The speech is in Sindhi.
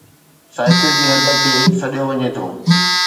سائيڪل جي حد کي سڏيو وڃي ٿو